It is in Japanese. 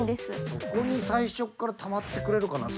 そこに最初からたまってくれるかな？